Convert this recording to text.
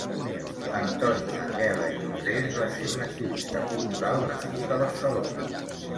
Antoni Anguela i Dotres va ser un activista cultural nascut a Barcelona.